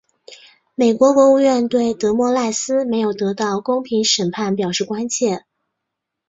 美国国务院对德莫赖斯没有得到公平审判表示关切。